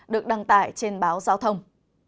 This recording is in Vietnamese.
được đăng tải trên báo giao thông